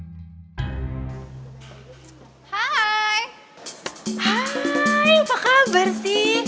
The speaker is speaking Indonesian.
hai apa kabar sih